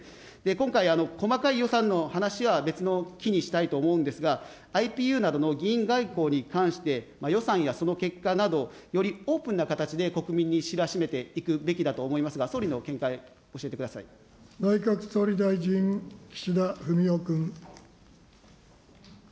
今回、細かい予算の話は別の機にしたいと思うんですが、ＩＰＵなどの議員外交に関して、予算やその結果など、よりオープンな形で国民に知らしめていくべきだと思いますが、総内閣総理大臣、岸田文雄君。